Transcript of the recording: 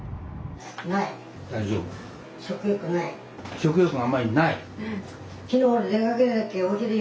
食欲があんまりない？